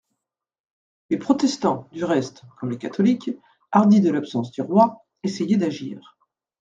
Les protestants, du reste, comme les catholiques, hardis de l'absence du roi, essayaient d'agir.